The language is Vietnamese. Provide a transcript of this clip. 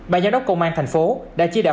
bà giáo đốc công an tp hcm đã chia đạo